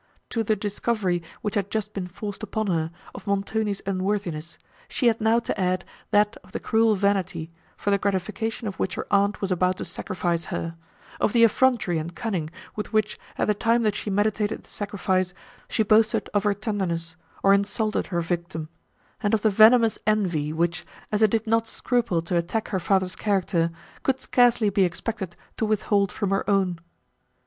To the discovery, which had just been forced upon her, of Montoni's unworthiness, she had now to add, that of the cruel vanity, for the gratification of which her aunt was about to sacrifice her; of the effrontery and cunning, with which, at the time that she meditated the sacrifice, she boasted of her tenderness, or insulted her victim; and of the venomous envy, which, as it did not scruple to attack her father's character, could scarcely be expected to withhold from her own.